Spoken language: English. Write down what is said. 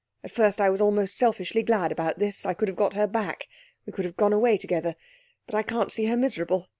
At first I was almost selfishly glad about this. I could have got her back. We could have gone away together. But I can't see her miserable.